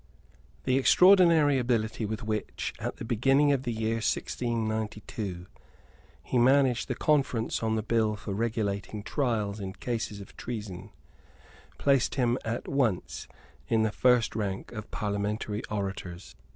The extraordinary ability with which, at the beginning of the year 1692, he managed the conference on the Bill for regulating Trials in cases of Treason, placed him at once in the first rank of parliamentary orators.